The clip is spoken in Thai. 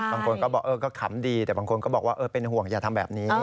บางคนก็บอกเออก็ขำดีแต่บางคนก็บอกว่าเป็นห่วงอย่าทำแบบนี้